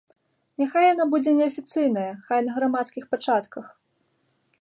Няхай яна будзе неафіцыйная, хай на грамадскіх пачатках.